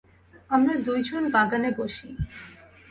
আমরা দুই জন বাগানে বসি।